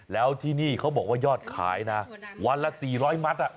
แล้วที่นี่เขาบอกว่ายอดขายนะวันละ๔๐๐มัตต์